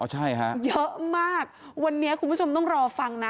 ใช่ฮะเยอะมากวันนี้คุณผู้ชมต้องรอฟังนะ